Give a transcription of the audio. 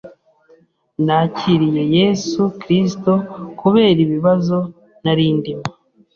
Nakiriye Yesu Kristo kubera ibibazo nari ndimo.